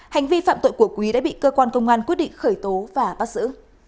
hành vi phạm tội của quý đã bị cơ quan công an quyết định khởi tố và bắt giữ